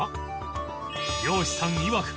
漁師さんいわく